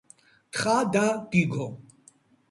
თხა და გიგო